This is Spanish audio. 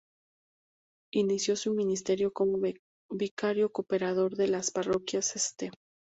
Inició su ministerio como Vicario Cooperador de las parroquias "St.